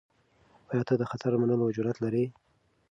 آیا ته د خطر منلو جرئت لرې؟